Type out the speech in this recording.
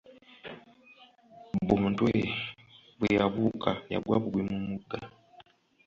Bontwe bwe yabuuka yagwa bugwi mu mugga.